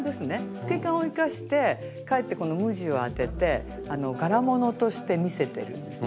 透け感を生かしてかえってこの無地をあてて柄物として見せてるんですね。